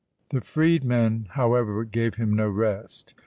The freedman however gave him no rest.